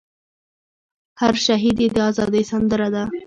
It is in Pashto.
هر شهید ئې د ازادۍ سندره ده